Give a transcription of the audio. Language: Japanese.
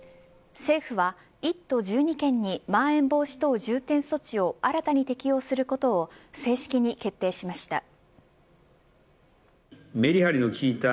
政府は、１都１２県にまん延防止等重点措置を新たに適用することを正式に決定しました。